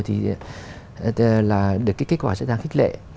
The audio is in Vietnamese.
thì kết quả rất là khích lệ